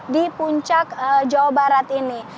di puncak jawa barat ini